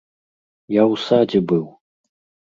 Я ў садзе быў.